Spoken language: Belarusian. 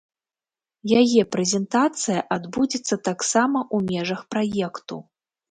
Яе прэзентацыя адбудзецца таксама ў межах праекту.